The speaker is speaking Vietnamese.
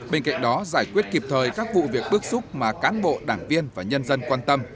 bên cạnh đó giải quyết kịp thời các vụ việc bước xúc mà cán bộ đảng viên và nhân dân quan tâm